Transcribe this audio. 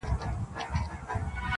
اورنګ زېب چي د مغولو ستر واکمن وو!!